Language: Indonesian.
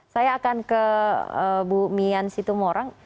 saya akan ke bu mian situmorang